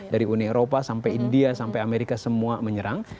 dari uni eropa sampai india sampai amerika semua menyerang